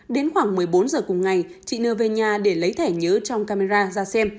đến khoảng một mươi bốn giờ cùng ngày chị nưa về nhà để lấy thẻ nhớ trong camera ra xem